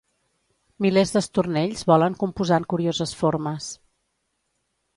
Milers d'estornells volen composant curioses formes